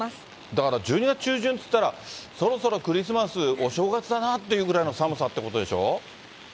だから１２月中旬っていったら、そろそろクリスマス、お正月だなっていうくらいの寒さってことでしょ？